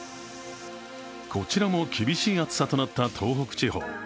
こちらも厳しい暑さとなった東北地方。